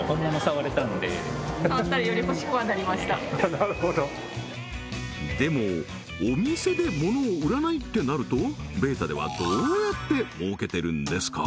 なるほどでもお店で物を売らないってなるとｂ８ｔａではどうやって儲けてるんですか？